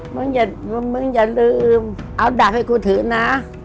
อย่ามึงอย่าลืมเอาดักให้กูถือนะ